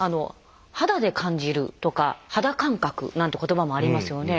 「肌で感じる」とか「肌感覚」なんて言葉もありますよね。